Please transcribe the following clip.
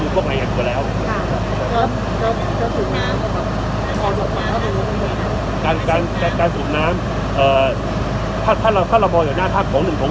การปรุงน้ำถ้าเร้อยอยู่หน้าทาสสงคราม